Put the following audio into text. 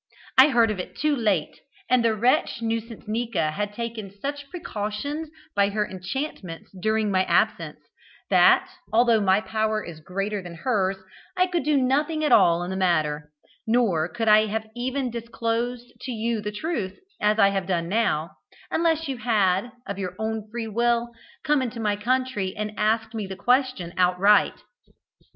I heard of it too late, and the wretch Nuisancenika had taken such precautions by her enchantments during my absence that, although my power is greater than hers, I could do nothing at all in the matter; nor could I have even disclosed to you the truth, as I have now done, unless you had, of your own free will, come into my country and asked me the question outright."